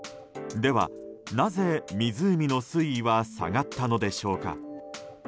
では、なぜ湖の水位は下がったのでしょうか。